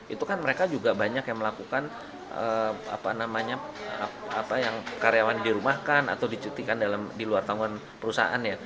itu kan mereka juga banyak yang melakukan karyawan dirumahkan atau dicutikan di luar tanggungan perusahaan ya